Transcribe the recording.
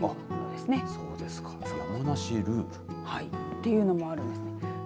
山梨ルール。というのもあるんですね。